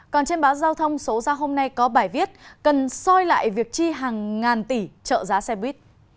còn trên báo giao thông số ra hôm nay có bài viết cần soi lại việc chi hàng ngàn tỷ trợ giá xe buýt